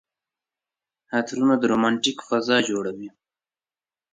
عطرونه د رومانتيک فضا جوړوي.